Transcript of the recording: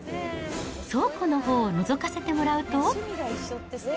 倉庫のほうをのぞかせてもらうと。